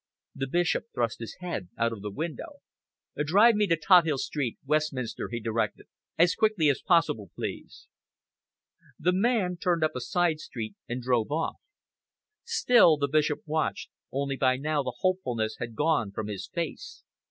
The Bishop thrust his head out of the window. "Drive me to Tothill Street, Westminster," he directed. "As quickly as possible, please." The man turned up a side street and drove off. Still the Bishop watched, only by now the hopefulness had gone from his face.